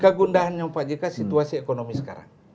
kegundahan yang pak jk situasi ekonomi sekarang